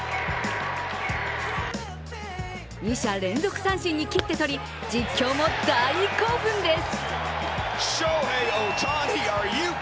２者連続三振に切って取り、実況も大興奮です。